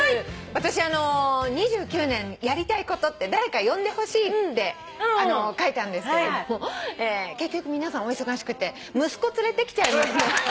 私２９年やりたいことって「誰か呼んでほしい」って書いたんですけども結局皆さんお忙しくて息子連れてきちゃいました。